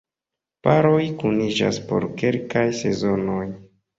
Paroj kuniĝas por kelkaj sezonoj.